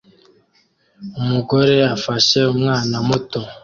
Umugore afashe umwana muto